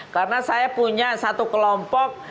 karena saya punya satu kelompok